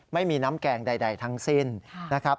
ไม่มีน้ำแกงใดทั้งสิ้นนะครับ